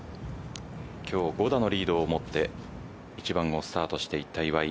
今日５打のリードを持って１番をスタートしていった岩井。